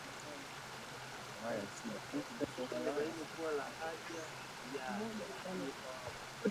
utatu za lugha ya Kiingereza hadi maumbo